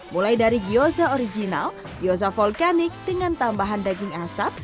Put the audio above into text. mulai dari kiosk original kiosk volkanik dengan tambahan daging asap